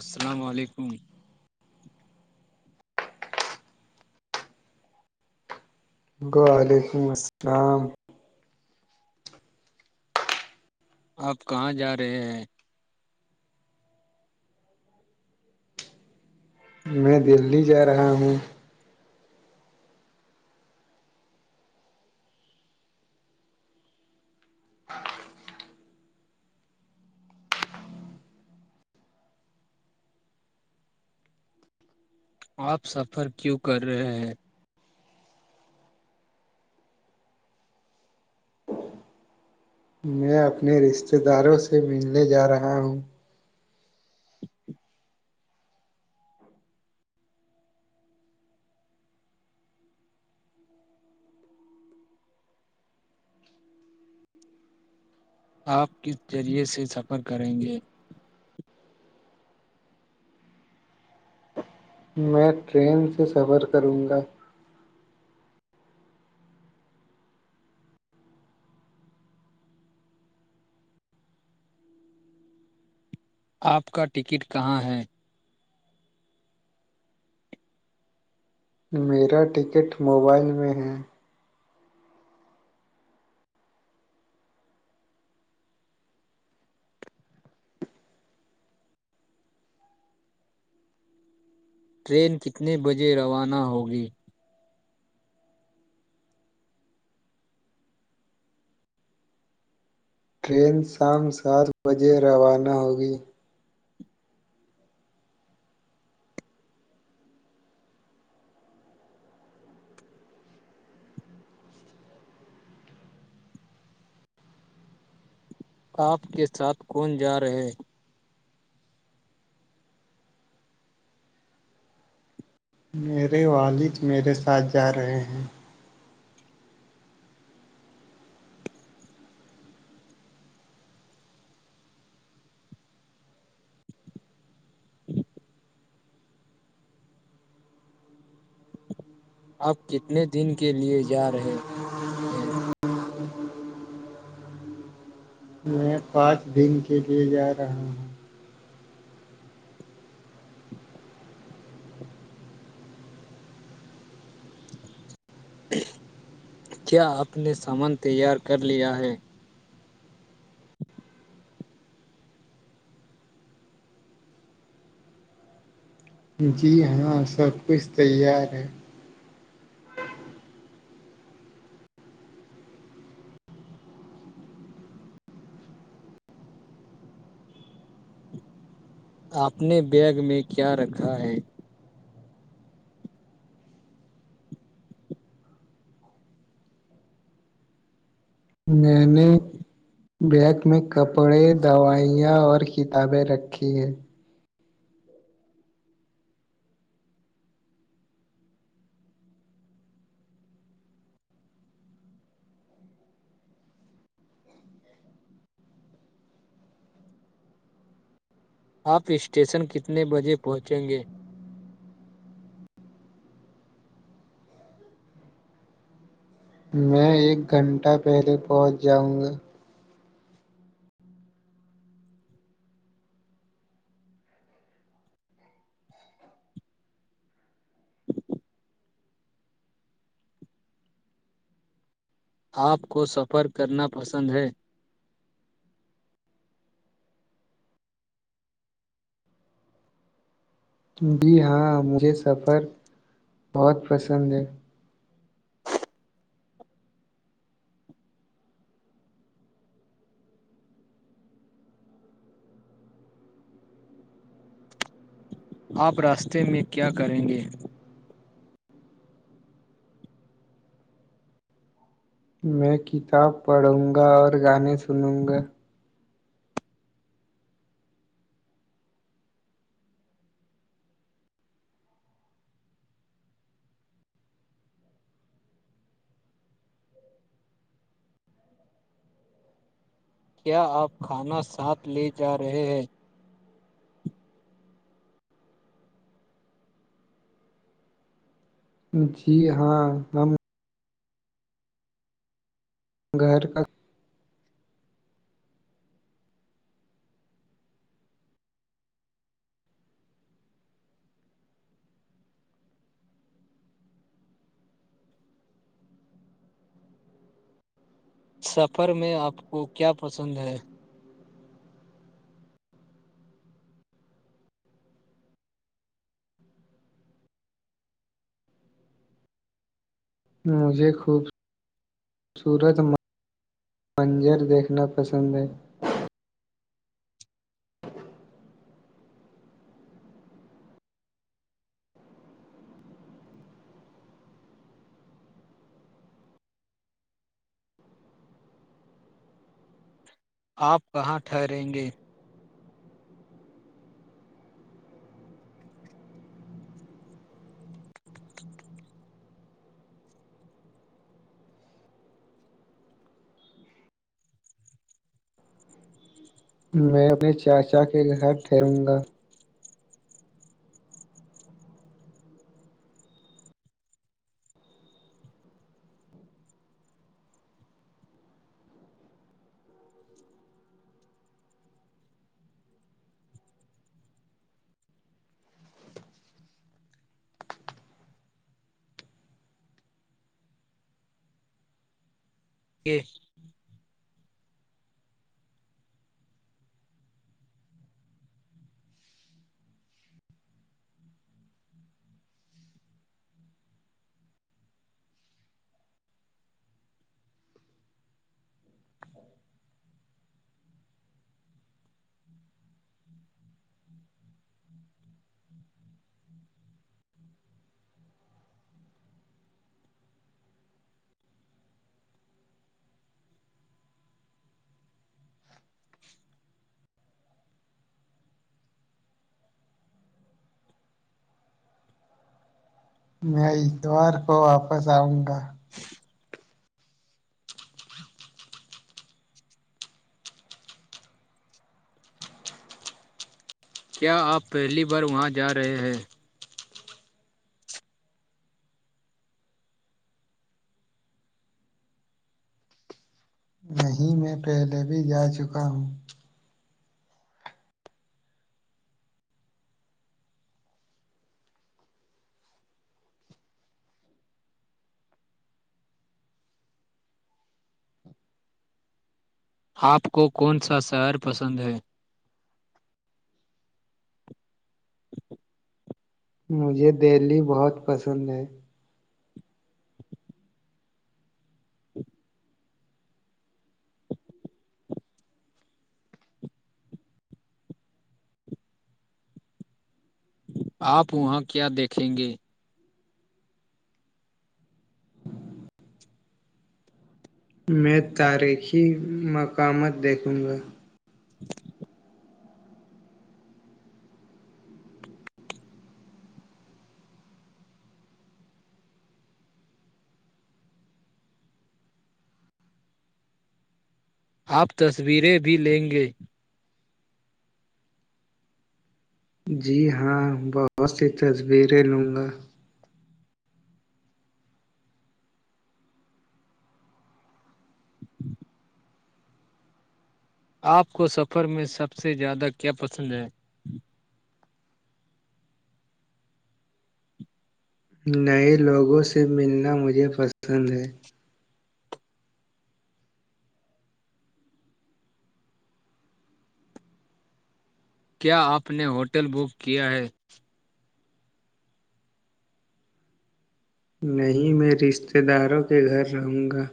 السلام علیکم وعلیکم السلام آپ کہاں جا رہے ہیں میں دہلی جا رہا ہوں آپ سفر کیوں کر رہے ہیں میں اپنے رشتہ داروں سے ملنے جا رہا ہوں آپ کس ذریعے سے سفر کریں گے میں ٹرین سے سفر کروں گا آپ کا ٹکٹ کہاں ہے میرا ٹکٹ موبائل میں ہے ٹرین کتنے بجے روانہ ہوگی ٹرین شام سات بجے روانہ ہوگی آپ کے ساتھ کون جا رہے میرے والد میرے ساتھ جا رہے ہیں [unintelligible] آپ کتنے دن کے لیے جا رہے ہیں [unintelligible] میں پانچ دن کے لیے جا رہا ہوں [unintelligible] کیا آپ نے سامان تیار کر لیا ہے جی ہاں سب کچھ تیار ہے آپ نے بیگ میں کیا رکھا ہے میں نے بیگ میں کپڑے دوائیاں اور کتابیں رکھی ہے آپ اسٹیشن کتنے بجے پہنچیں گے میں ایک گھنٹہ پہلے پہنچ جاؤں گا آپ کو سفر کرنا پسند ہے جی ہاں مجھے سفر بہت پسند ہے آپ راستے میں کیا کریں گے میں کتاب پڑھوں گا اور گانے سنوں گا کیا آپ کھانا ساتھ لے جا رہے ہیں جی ہاں ہم گھر کا سفر میں آپ کو کیا پسند ہے مجھے خوب سورت منجر دیکھنا پسند ہے آپ کہاں ٹھہریں گے میں اپنے چاچا کے گھر ٹھہروں گا [unintelligible] میں اتوار کو واپس آؤں گا [unintelligible] کیا آپ پہلی بار وہاں جا رہے ہیں نہیں میں پہلے بھی جا چکا ہوں آپ کو کون سا شہر پسند ہے [unintelligible] مجھے دہلی بہت پسند ہے [unintelligible] [unintelligible] آپ وہاں کیا دیکھیں گے میں تاریخی مقامات دیکھوں گا [unintelligible] آپ تصویریں بھی لیں گے جی ہاں بہت سی تصویریں لوں گا [unintelligible] آپ کو سفر میں سب سے زیادہ کیا پسند ہے نئے لوگوں سے ملنا مجھے پسند ہے کیا آپ نے ہوٹل بک کیا ہے نہیں میں رشتتے داروں کے گھر رہوں گا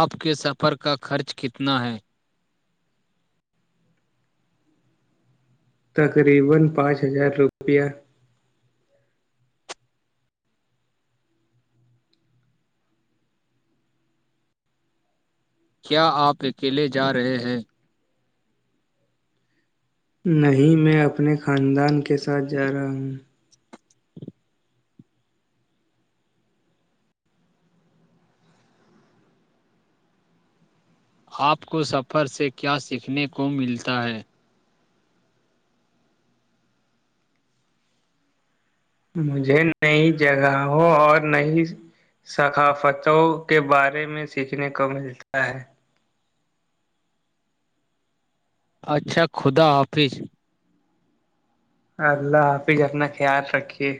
آپ کے سفر کا خرچ کتنا ہے تقریبا پانچ ہزار روپیہ کیا آپ اکیلے جا رہے ہیں نہیں میں اپنے خاندان کے ساتھ جا رہا ہوں آپ کو سفر سے کیا سیکھنے کو ملتا ہے مجھے نہیں جگہ ہو اور نہیں ثقافتوں کے بارے میں سیکھنے کو ملتا ہے اچھا خدا حافظ اللہ حافظ اپنا خیال رکھیے